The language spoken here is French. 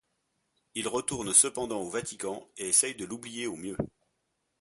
Il retourne cependant au Vatican et essaye de l'oublier au mieux.